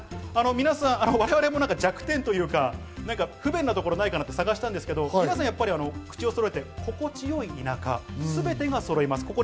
我々も弱点というか、不便なところがないかなと探したんですけれども、皆さん口をそろえて、心地よい田舎、全てがそろいます。